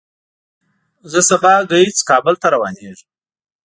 زه سبا ګهیځ کابل ته روانېږم.